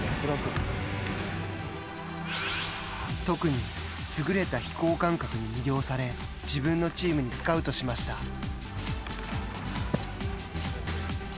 特に、優れた飛行感覚に魅了され自分のチームにスカウトしました。